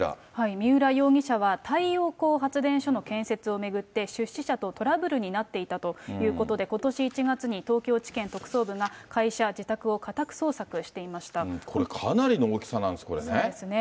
三浦容疑者は太陽光発電所の建設を巡って、出資者とトラブルになっていたということで、ことし１月に東京地検特捜部が、会社、これ、そうですね。